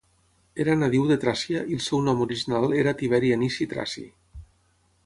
Era nadiu de Tràcia i el seu nom original era Tiberi Anici Traci.